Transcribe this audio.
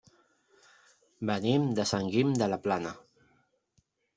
Venim de Sant Guim de la Plana.